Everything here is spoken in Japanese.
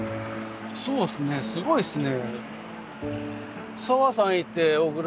そうですねすごいっすね。